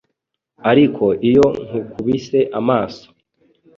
Ariko iyo nkukubise amaso